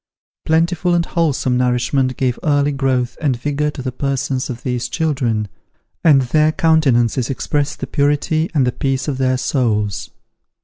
Plentiful and wholesome nourishment gave early growth and vigour to the persons of these children, and their countenances expressed the purity and the peace of their souls.